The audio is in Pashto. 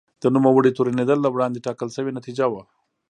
د نوموړي تورنېدل له وړاندې ټاکل شوې نتیجه وه.